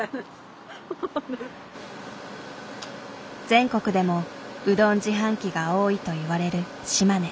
全国でもうどん自販機が多いといわれる島根。